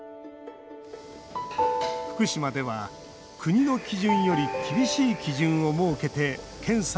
福島では、国の基準より厳しい基準を設けて検査を実施。